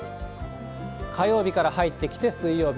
火曜日から入ってきて水曜日。